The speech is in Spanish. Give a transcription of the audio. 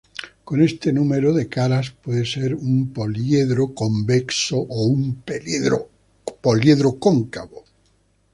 Con este número de caras puede ser un poliedro convexo o un poliedro cóncavo.